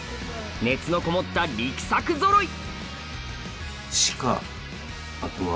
熱のこもった力作ぞろい！